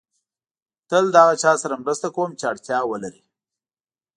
تل د هغه چا سره مرسته کوم چې اړتیا ولري.